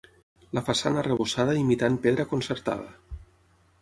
La façana arrebossada imitant pedra concertada.